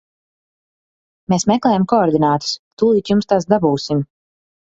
Mēs meklējam koordinātas, tūlīt jums tās dabūsim.